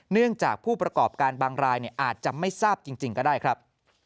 เนื่องจากผู้ประกอบการบางรายอาจจะไม่ทราบจริงก็ได้ครับ